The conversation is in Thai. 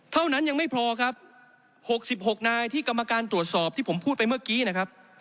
เท่านั้นยังไม่พอครับ๖๖นายที่กรรมการตรวจสอบที่ผมพูดไปเมื่อกี้นะครับ